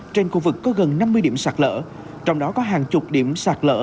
trên khu vực có gần năm mươi điểm sạt lở trong đó có hàng chục điểm sạt lỡ